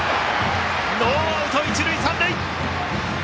ノーアウト、一塁三塁。